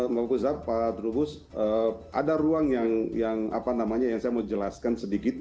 bang kozab pak trubus ada ruang yang apa namanya yang saya mau jelaskan sedikit